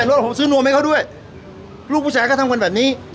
นี่ผมใส่นวมผมซื้อนวมให้เขาด้วยลูกผู้ชายก็ทำกันแบบนี้